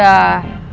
sampai jumpa lagi